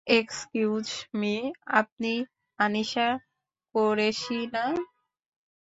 Excuse me আপনি আনিশা কোরেশি, না?